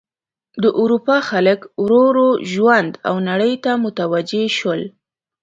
د اروپا خلک ورو ورو ژوند او نړۍ ته متوجه شول.